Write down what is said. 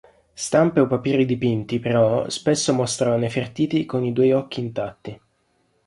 Stampe o papiri dipinti però spesso mostrano Nefertiti con i due occhi intatti.